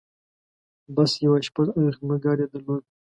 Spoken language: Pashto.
بس! يو آشپز او يو خدمتګار يې درلود.